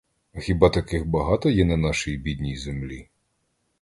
А хіба таких багато є на нашій бідній землі?